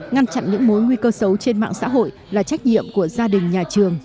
ngăn chặn những mối nguy cơ xấu trên mạng xã hội là trách nhiệm của gia đình nhà trường